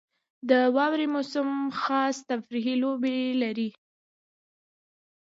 • د واورې موسم خاص تفریحي لوبې لري.